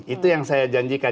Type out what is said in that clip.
itu yang saya janjikan